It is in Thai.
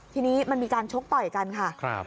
ทีนี้มันมีการชกต่อยกันค่ะ